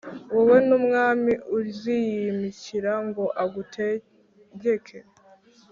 Wowe n’umwami uziyimikira ngo agutegeke,